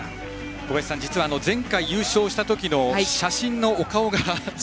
小林さん、実は前回優勝した時の写真のお顔が。